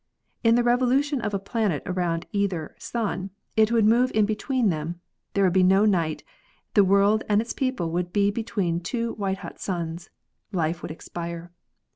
In the revo lution of a planet around either sun it would move in be tween them; there would be no night; the world and its people would be between two white hot suns; life would expire.